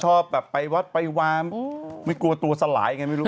ชอบแบบไปวัดไปวามไม่กลัวตัวสลายไงไม่รู้